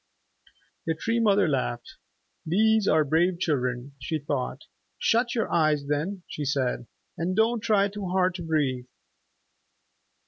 The Tree Mother laughed. "These are brave children," she thought. "Shut your eyes then," she said, "and don't try too hard to breathe."